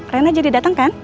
rena jadi datang kan